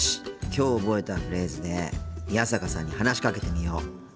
きょう覚えたフレーズで宮坂さんに話しかけてみよう。